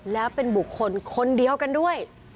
แล้วเป็นบุคคลคนเดียวกันด้วย